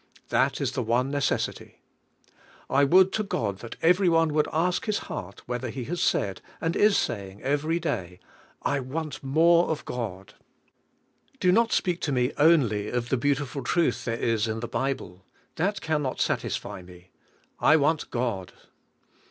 That is the one necessity. I would to God that every one would ask his heart whether he has WAITING ON GOD 41 said, and is saying every day: "I want more of God. Do not speak to me only of the beautiful truth there is in the Bible. That can not satisfy me. I want God."